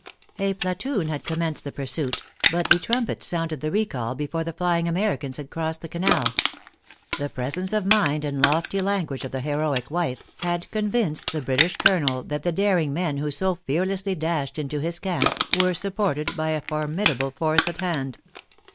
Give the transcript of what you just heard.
A platoon had commenced the pursuit; but the trumpets sounded the recall before the flying Americans had crossed the canal. The presence of mind and lofty language of the heroic wife, had convinced the British Colonel that the daring men who so fearlessly dashed into his camp were supported by a formidable force at hand.